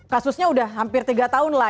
kasusnya sudah hampir tiga tahun lah